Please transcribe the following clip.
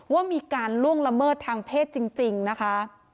ว่ามีการล่วงละเมิดทางเพศจริงนะคะ